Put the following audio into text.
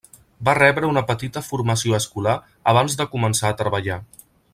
Va rebre una petita formació escolar abans de començar a treballar.